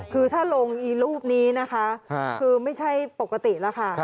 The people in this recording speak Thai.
คือถ้าลงอีรูปนี้นะคะคือไม่ใช่ปกติแล้วค่ะ